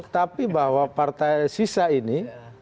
tapi bahwa partai sisa ini